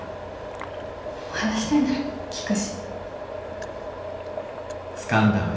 話したいなら聞くし。